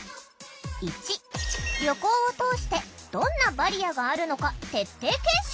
１旅行を通してどんなバリアがあるのか徹底検証！